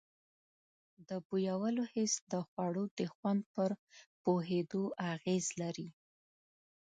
د بویولو حس د خوړو د خوند پر پوهېدو اغیز لري.